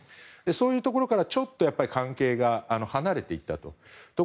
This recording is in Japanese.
そういうところからちょっと関係が離れていったと。